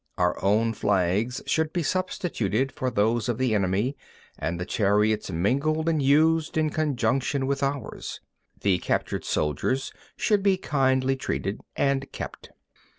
Our own flags should be substituted for those of the enemy, and the chariots mingled and used in conjunction with ours. The captured soldiers should be kindly treated and kept.